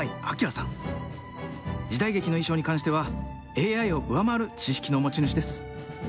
時代劇の衣装に関してはＡＩを上回る知識の持ち主です。